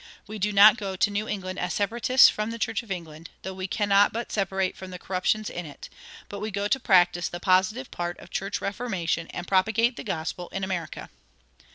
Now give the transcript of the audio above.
We do not go to New England as Separatists from the Church of England, though we cannot but separate from the corruptions in it; but we go to practice the positive part of church reformation and propagate the gospel in America.'"